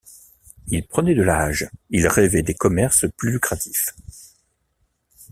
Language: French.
Ils prenaient de l’âge, ils rêvaient des commerces plus lucratifs.